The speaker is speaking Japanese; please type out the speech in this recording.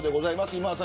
今田さん